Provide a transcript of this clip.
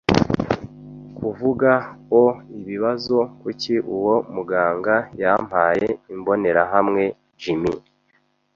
kuvuga o 'ibibazo, kuki uwo muganga yampaye imbonerahamwe, Jim? ”